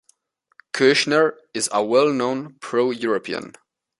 Kouchner is a well-known pro-European.